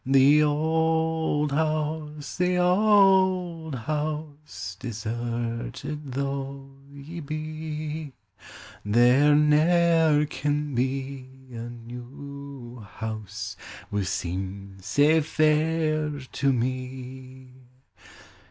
The auld house, the auld house, — Deserted though ye be, There ne'er can be a new house Will seem sae fair to me.